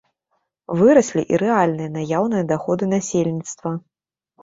Выраслі і рэальныя наяўныя даходы насельніцтва.